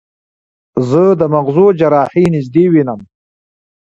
زه د مغزو جراحي نږدې وینم.